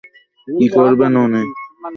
কী করবেন উনি?